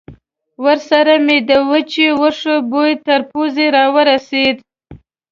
ورسره مې د وچو وښو بوی تر پوزې را ورسېد.